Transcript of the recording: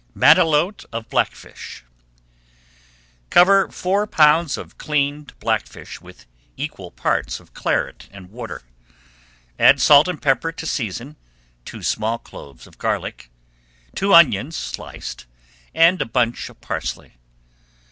MATELOTE OF BLACKFISH Cover four pounds of cleaned blackfish with equal parts of Claret and water. Add salt and pepper to season, two small cloves of garlic, two onions sliced, and a bunch of parsley.